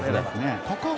高橋